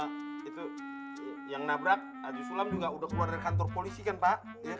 aduh sulam juga udah keluar dari kantor polisi kan pak